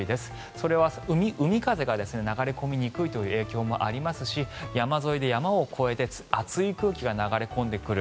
それは海風が流れ込みにくいという影響もありますし山沿いで山を越えて暑い空気が流れ込んでくる。